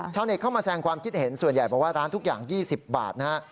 ชาวเน็ตเข้ามาแสงความคิดเห็นส่วนใหญ่บอกว่าร้านทุกอย่าง๒๐บาทนะฮะ